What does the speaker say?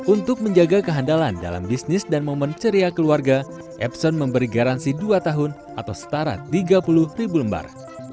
untuk menjaga kehandalan dalam bisnis dan momen ceria keluarga epson memberi garansi dua tahun atau setara tiga puluh ribu lembar